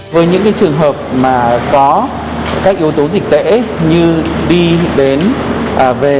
với những trường hợp mà có các yếu tố dịch tễ như đi đến về